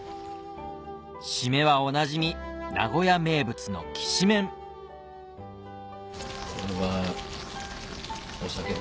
締めはおなじみ名古屋名物のこれは。